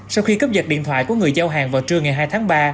sau khi cướp giật điện thoại của người giao hàng vào trưa ngày hai tháng ba